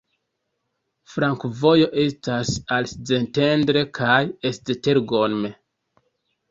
Flankovojo estas al Szentendre kaj Esztergom.